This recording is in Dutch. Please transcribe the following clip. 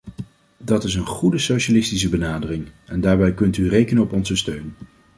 Dat is een goede socialistische benadering, en daarbij kunt u rekenen op onze steun.